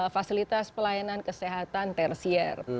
fasilitas pelayanan kesehatan tersier